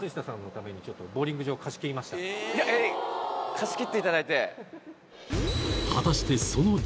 貸し切っていただいて。